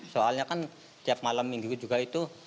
soalnya kan tiap malam minggu juga itu